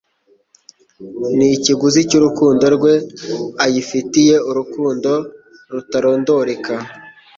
Ni ikiguzi cy'urukundo rwe. Ayifitiye urukundo rutarondereka.